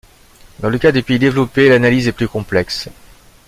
Dans le cas des pays développés l'analyse est plus complexe.